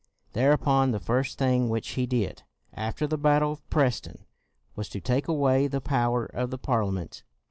Thereupon the first thing which he did CROMWELL 251 after the battle of Preston was to take away the power of the Parliament.